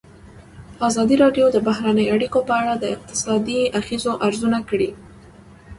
ازادي راډیو د بهرنۍ اړیکې په اړه د اقتصادي اغېزو ارزونه کړې.